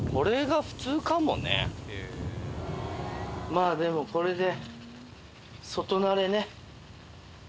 まあでもこれで。